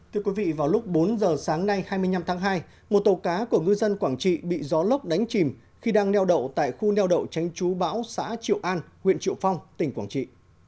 thưa quý vị vào lúc bốn giờ sáng nay hai mươi năm tháng hai một tàu cá của ngư dân quảng trị bị gió lốc đánh chìm khi đang neo đậu tại khu neo đậu tránh chú bão xã triệu an huyện triệu phong tỉnh quảng trị